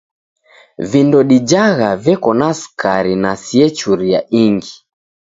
Vindo dijagha veko na sukari na siechuria ingi.